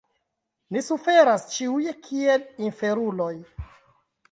Ni suferas ĉiuj kiel inferuloj.